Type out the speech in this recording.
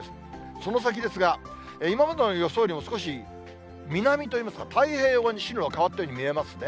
その先ですが、今までの予想よりも少し南といいますか、太平洋側に進路は変わったように見えますね。